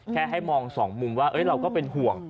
ให้มองสองมุมว่าเราก็เป็นห่วง